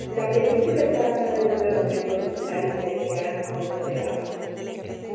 La película está basada en un argumento original de Jean Cocteau.